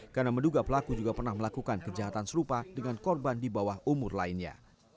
karena menduga pelaku juga pernah melakukan kejahatan serupa dengan korban di bawah umur lainnya